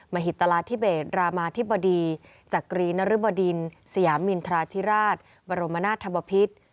หิตราธิเบศรามาธิบดีจักรีนรบดินสยามินทราธิราชบรมนาธบพิษ